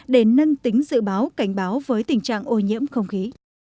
để nâng tính dự báo cảnh báo với tình trạng ô nhiễm không khí